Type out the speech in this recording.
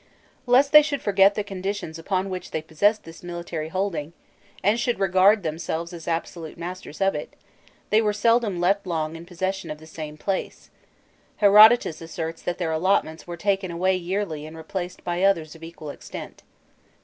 Lest they should forget the conditions upon which they possessed this military holding, and should regard themselves as absolute masters of it, they were seldom left long in possession of the same place: Herodotus asserts that their allotments were taken away yearly and replaced by others of equal extent.